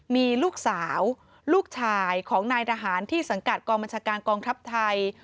มีลูกสาวลูกชายของนายทหารที่สังกัดกองบัญชาการกองทัพไทย